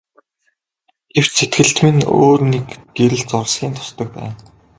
Гэвч сэтгэлд минь өөр нэг гэрэл зурсхийн тусдаг байна.